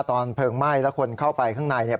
เพลิงไหม้แล้วคนเข้าไปข้างในเนี่ย